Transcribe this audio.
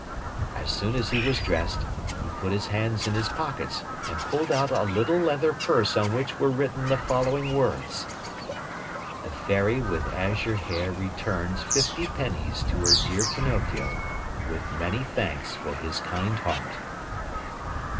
As soon as he was dressed, he put his hands in his pockets and pulled out a little leather purse on which were written the following words: The Fairy with Azure Hair returns fifty pennies to her dear Pinocchio with many thanks for his kind heart.